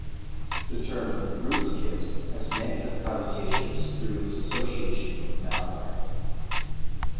The term "rootkit" has negative connotations through its association with malware.